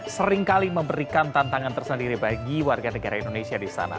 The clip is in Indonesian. seringkali memberikan tantangan tersendiri bagi warga negara indonesia di sana